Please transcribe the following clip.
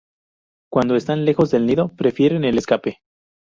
Cuando están lejos del nido prefieren el escape.